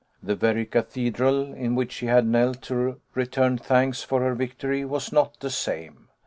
The very cathedral in which she had knelt to return thanks for her victory was not the same.